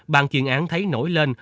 bàn kiện án thấy nổi lên